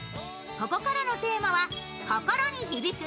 ここからのテーマは「心に響く！